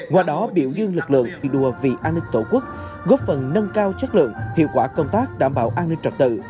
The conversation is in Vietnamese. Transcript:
qua đó biểu dương lực lượng thi đua vì an ninh tổ quốc góp phần nâng cao chất lượng hiệu quả công tác đảm bảo an ninh trật tự